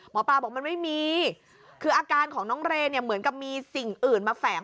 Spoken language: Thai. หมอปลาบอกมันไม่มีคืออาการของน้องเรย์เนี่ยเหมือนกับมีสิ่งอื่นมาแฝง